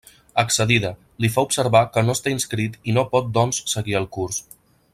Excedida, li fa observar que no està inscrit i no pot doncs seguir el curs.